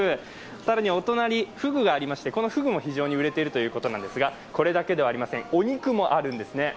更にお隣、ふぐがありましてふぐも非常に売れているということですが、これだけではありません、お肉もあるんですね。